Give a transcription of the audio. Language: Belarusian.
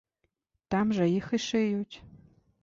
Там жа іх і шыюць.